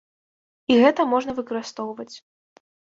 І гэта можна выкарыстоўваць.